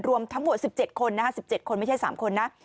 รวมทั้งหมด๑๗คนนะฮะ๑๗คนไม่ใช่๓คนนะ